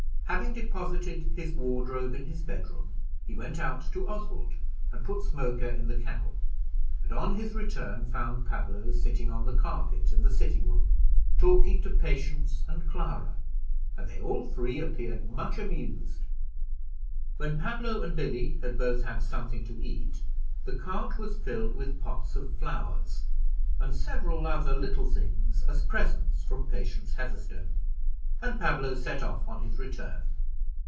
Having deposited his wardrobe in his bedroom, he went out to Oswald and put Smoker in the kennel, and on his return found Pablo sitting on the carpet in the sitting room, talking to Patience and Clara, and they all three appeared much amused. When Pablo and Billy had both had something to eat, the cart was filled with pots of flowers, and several, other little things as presents from Patience Heatherstone, and Pablo set off on his return.